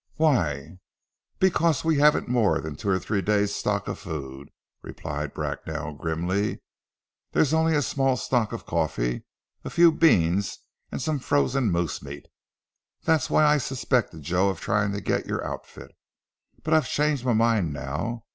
"Why?" "Because we haven't more than two or three days' stock of food," replied Bracknell grimly. "There's only a small stock of coffee, a few beans and some frozen moose meat. That's why I suspected Joe of trying to get your outfit. But I've changed my mind now.